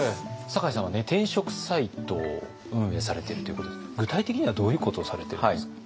酒井さんは転職サイトを運営されているということですが具体的にはどういうことをされてるんですか？